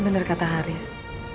benar kata haris